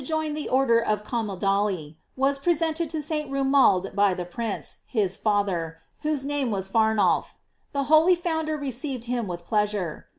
725 join the order of Camaldoli, was presented to St. Romuald by the prince, his father, whose name was Farnulf. The holy founder received him with pleasure.